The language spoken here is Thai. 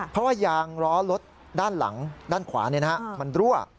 เพราะว่ายางล้อรถด้านหลังด้านขวามันรั่ว